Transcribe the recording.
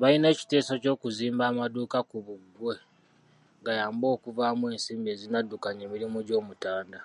Balina ekiteeso ky'okuzimba amaduuka ku bbugwe, gayambe okuvaamu ensimbi ezinaddukanya emirimu gy'Omutanda .